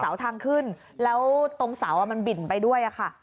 เสาทางขึ้นแล้วตรงเสาอ่ะมันบิ่นไปด้วยอ่ะค่ะ